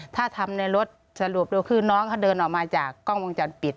ถ้าทำในรถสรุปดูคือน้องเขาเดินออกมาจากกล้องวงจรปิด